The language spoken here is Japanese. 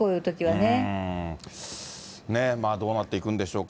ねぇ、どうなっていくんでしょうか。